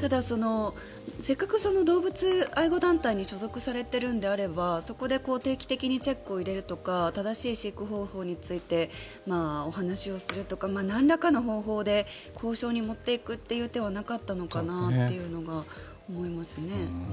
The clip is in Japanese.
ただ、せっかく動物愛護団体に所属されているのであればそこで定期的にチェックを入れるとか正しい飼育方法についてお話をするとかなんらかの方法で交渉に持っていく手はなかったのかなと思います。